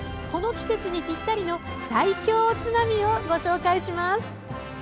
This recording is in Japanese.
この季節にぴったりの最強おつまみをご紹介します！